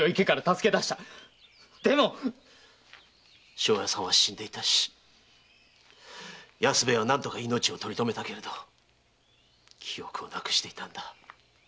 庄屋さんは死んでいたし安兵衛は何とか命をとり留めたけれど記憶を失くしていたんだ。